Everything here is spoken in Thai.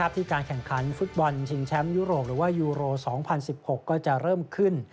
ที่การแข่งขันฟุตบอลชิงแชมป์ยุโรปหรือว่ายูโร๒๐๑๖ก็จะเริ่มขึ้น